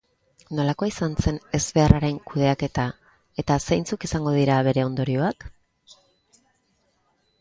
Nolakoa izan zen ezbeharraren kudeaketa, eta zeintzuk izango dira bere ondorioak?